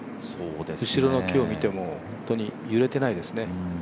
後ろの木を見ても、本当に揺れてないですね。